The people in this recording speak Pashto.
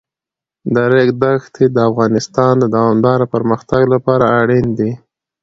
د ریګ دښتې د افغانستان د دوامداره پرمختګ لپاره اړین دي.